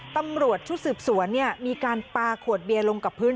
ตำรวจชุดสืบสวนมีการปลาขวดเบียร์ลงกับพื้น